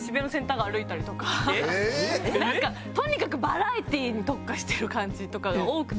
なんかとにかくバラエティーに特化してる感じとかが多くて。